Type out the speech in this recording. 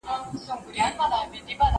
زه لوښي وچولي دي!.